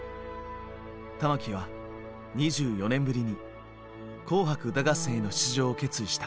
玉置は２４年ぶりに「紅白歌合戦」への出場を決意した。